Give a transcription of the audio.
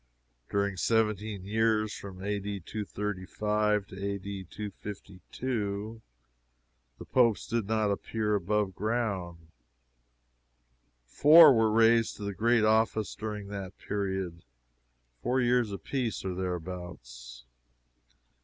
During seventeen years from A.D. 235 to A.D. 252 the Popes did not appear above ground. Four were raised to the great office during that period. Four years apiece, or thereabouts.